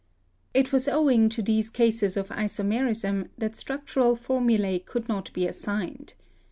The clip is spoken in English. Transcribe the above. It was owing to these cases of isomerism that structural formulae could not be assigned.